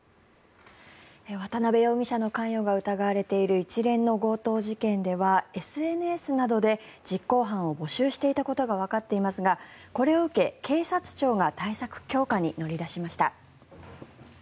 渡邉容疑者の関与が疑われている一連の強盗事件ではＳＮＳなどで実行犯を募集していたことがわかっていますがこれを受け、警察庁が対策強化に乗り出しました。